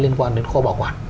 liên quan đến kho bảo quản